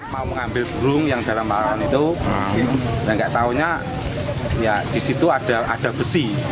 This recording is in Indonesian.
mau mengambil burung yang dalam barang itu dan gak taunya ya disitu ada besi